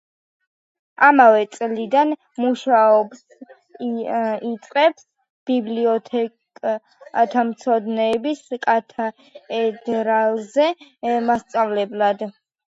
ამავე წლიდან მუშაობას იწყებს ბიბლიოთეკათმცოდნეობის კათედრაზე მასწავლებლად.